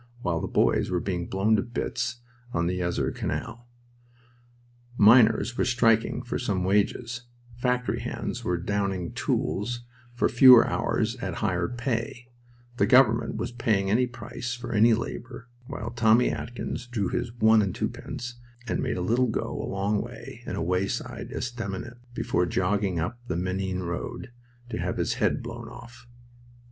while the boys were being blown to bits on the Yser Canal. Miners were striking for more wages, factory hands were downing tools for fewer hours at higher pay, the government was paying any price for any labor while Tommy Atkins drew his one and twopence and made a little go a long way in a wayside estaminet before jogging up the Menin road to have his head blown off.